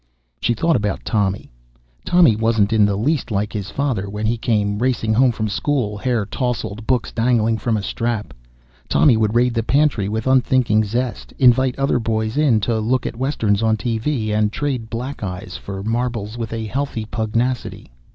She thought about Tommy ... Tommy wasn't in the least like his father when he came racing home from school, hair tousled, books dangling from a strap. Tommy would raid the pantry with unthinking zest, invite other boys in to look at the Westerns on TV, and trade black eyes for marbles with a healthy pugnacity.